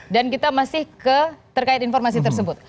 dan kita masih ke terkait informasi tersebut